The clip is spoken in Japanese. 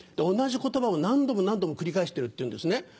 同じ言葉を何度も何度も繰り返してるっていうんですね。